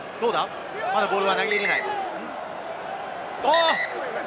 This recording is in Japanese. まだボールは投げ入れない。